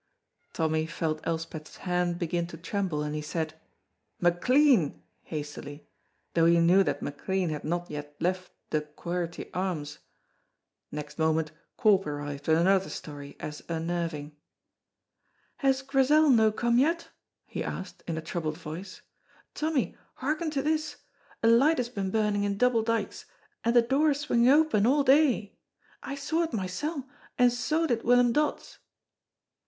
Tommy felt Elspeth's hand begin to tremble, and he said "McLean!" hastily, though he knew that McLean had not yet left the Quharity Arms. Next moment Corp arrived with another story as unnerving. "Has Grizel no come yet?" he asked, in a troubled voice. "Tommy, hearken to this, a light has been burning in Double Dykes and the door swinging open a' day! I saw it mysel', and so did Willum Dods."